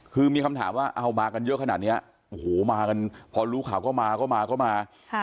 คือมีคำถามว่าเอามากันเยอะขนาดนี้โอ้โหมากันพอรู้ข่าวก็มาก็มาก็มา